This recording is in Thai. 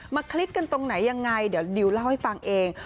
คลิกกันตรงไหนยังไงเดี๋ยวดิวเล่าให้ฟังเอง